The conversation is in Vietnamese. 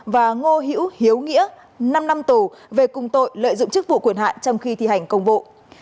và ngô hữu hiếu nghĩa năm năm tù về cùng tội lợi dụng chức vụ quyền hạn trong khi thi hành công vụ